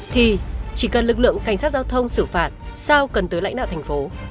thì chỉ cần lực lượng cảnh sát giao thông xử phạt sao cần tới lãnh đạo thành phố